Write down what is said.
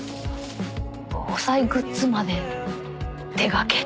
防災グッズまで手がけて。